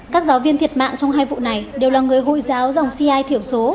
các giáo viên thiệt mạng trong hai vụ này đều là người hồi giáo dòng cia thiểu số